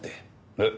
えっ？